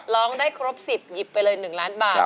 ร้องได้ครบ๑๐หยิบไปเลย๑ล้านบาท